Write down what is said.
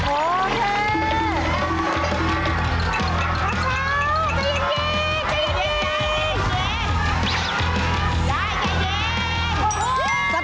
โอเค